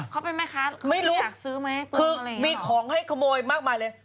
เขาเป็นแม่ค้าไม่รู้คือมีของให้ขโมยมากมายเลย